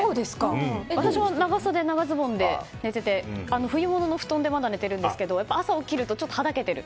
私は長袖、長ズボンで寝てて冬物の布団でまだ寝ているんですけど朝起きるとちょっとはだけてる。